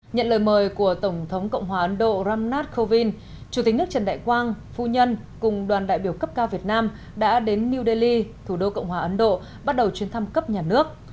nhận lời mời của tổng thống cộng hòa ấn độ ramnath kovind chủ tịch nước trần đại quang phu nhân cùng đoàn đại biểu cấp cao việt nam đã đến new delhi thủ đô cộng hòa ấn độ bắt đầu chuyến thăm cấp nhà nước